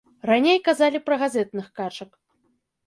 Раней казалі пра газетных качак.